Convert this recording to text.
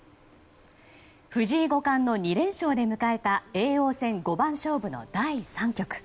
藤井五冠の２連勝で迎えた叡王戦五番勝負の第３局。